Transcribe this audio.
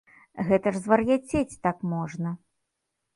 Гэта ж звар'яцець так можна!